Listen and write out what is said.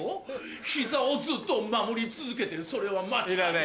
膝をずっと守り続けてるそれは間違いない